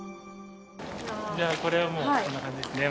これはもう、こんな感じですね。